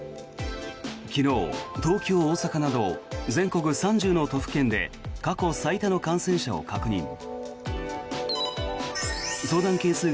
昨日、東京、大阪など全国３０の都府県で過去最多の感染者を確認。